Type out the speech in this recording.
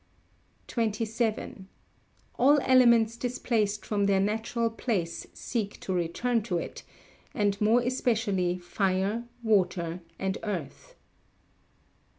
27. All elements displaced from their natural place seek to return to it, and more especially fire, water and earth.